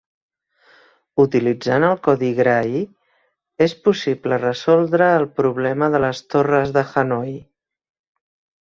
Utilitzant el codi Gray és possible resoldre el problema de les Torres de Hanoi.